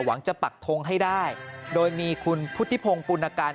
หวังจะปักทงให้ได้โดยมีคุณพุทธิพงศ์ปุณการ